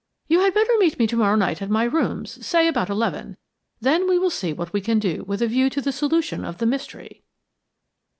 "You had better meet me to morrow night at my rooms, say, about eleven; then, we will see what we can do with a view to a solution of the mystery."